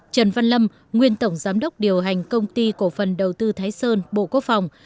trần văn lâm nguyên tổng giám đốc điều hành công ty cổ phần đầu tư thái sơn bộ quốc phòng